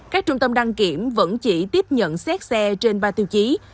các trung tâm đăng kiểm vẫn chỉ tiếp nhận xét xe trên ba tiêu chí